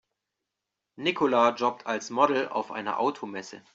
Nicola jobbt als Model auf einer Automesse.